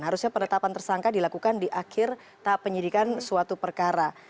harusnya penetapan tersangka dilakukan di akhir tahap penyidikan suatu perkara